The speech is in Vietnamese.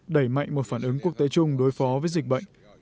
đẩy mạnh một phản ứng quốc tế chung đối phó với dịch bệnh